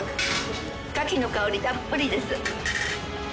カキの香りたっぷりです。